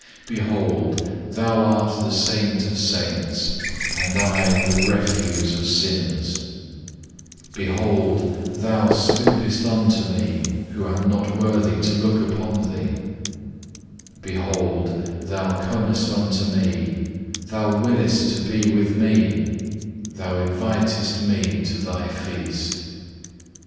3. Behold, Thou art the Saint of saints and I the refuse of sinners; behold, Thou stoopest unto me who am not worthy to look upon Thee; behold, Thou comest unto me, Thou willest to be with me, Thou invitest me to Thy feast.